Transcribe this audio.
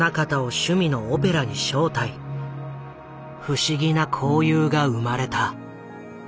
不思議な交友が生まれた。